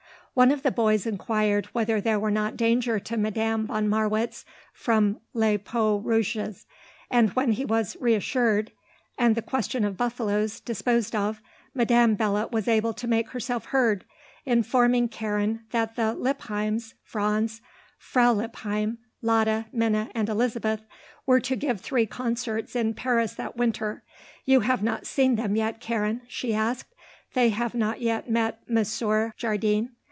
One of the boys inquired whether there were not danger to Madame von Marwitz from les Peaux Rouges, and when he was reassured and the question of buffaloes disposed of Madame Belot was able to make herself heard, informing Karen that the Lippheims, Franz, Frau Lippheim, Lotta, Minna and Elizabeth, were to give three concerts in Paris that winter. "You have not seen them yet, Karen?" she asked. "They have not yet met Monsieur Jardine?"